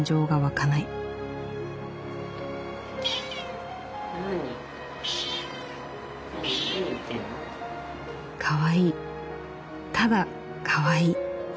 「かわいい。ただかわいい」。